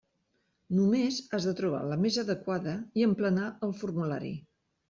Només has de trobar la més adequada i emplenar el formulari.